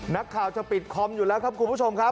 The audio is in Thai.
นักข่าวจะปิดคอมอยู่แล้วครับคุณผู้ชมครับ